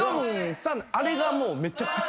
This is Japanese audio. ４３」あれがもう。